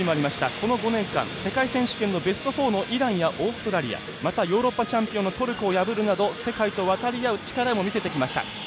この５年間、世界選手権のベスト４のイランやオーストラリアまたヨーロッパチャンピオンのトルコを破るなど世界と渡り合う力も見せてきました。